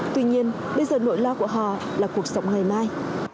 tuy nhiên bây giờ nỗi lo của họ là cuộc sống ngày mai